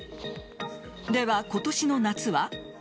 では今年の夏は？